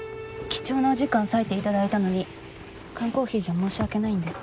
貴重なお時間割いていただいたのに缶コーヒーじゃ申し訳ないんで。